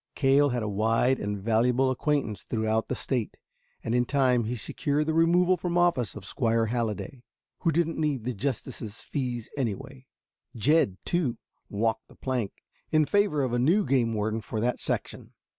Cale had a wide and valuable acquaintance throughout the state, and in time he secured the removal from office of Squire Halliday, who didn't need the justice's fees anyway. Jed, too, "walked the plank" in favor of a new game warden for that section.